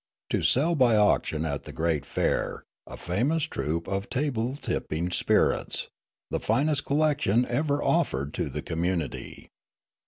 ' To sell by auction at the great fair, a famous troupe of table tipping spirits, the finest collection ever offered to the community.